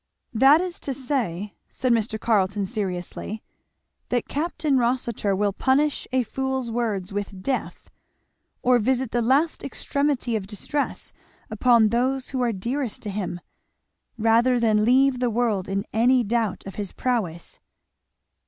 "That is to say," said Mr. Carleton seriously, "that Capt. Rossitur will punish a fool's words with death, or visit the last extremity of distress upon those who are dearest to him, rather than leave the world in any doubt of his prowess."